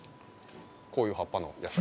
こういう葉っぱのやつ。